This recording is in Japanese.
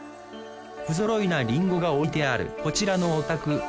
不揃いなりんごが置いてあるこちらのお宅。